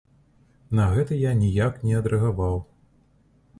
На гэта я ніяк не адрэагаваў.